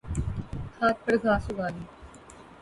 ھت پر گھاس اگا لی